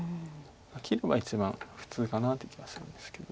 切れば一番普通かなという気がするんですけど。